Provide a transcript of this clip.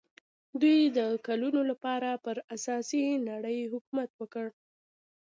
دوی د کلونو لپاره پر اسلامي نړۍ حکومت وکړ.